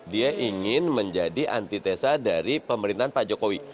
dia ingin menjadi antitesa dari pemerintahan pak jokowi